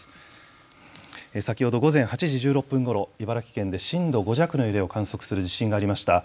先ほど午前８時１６分ごろ、茨城県で震度５弱の揺れを観測する地震がありました。